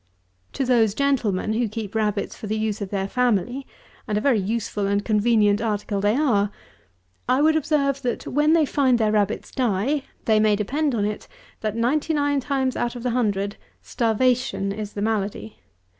188. To those gentlemen who keep rabbits for the use of their family (and a very useful and convenient article they are,) I would observe, that when they find their rabbits die, they may depend on it, that ninety nine times out of the hundred starvation is the malady.